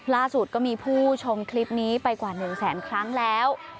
ล่าสุดก็มีผู้ชมคลิปนี้ไปกว่า๑แสนครั้งแล้ว